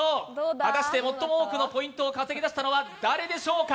果たして最も多くのポイントを稼ぎ出したのは誰でしょうか。